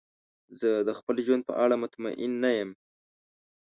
زه د خپل ژوند په اړه مطمئن نه یم.